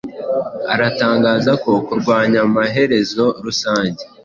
atangaza ko kurwanya amaherezo rusange